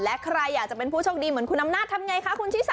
และใครอยากจะเป็นผู้โชคดีเหมือนคุณอำนาจทำไงคะคุณชิสา